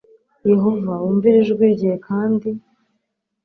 Yehova wumvire ijwi rye kandi